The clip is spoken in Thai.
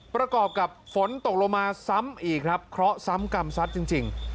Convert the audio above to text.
ประกอบกับฝนตกลงมาซ้ำอีกครับเคราะห์ซ้ำกรรมซัดจริง